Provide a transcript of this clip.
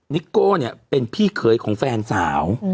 นิโก้เนี่ยเป็นพี่เขยของแฟนสาว